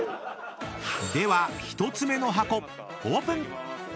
［では１つ目の箱オープン！］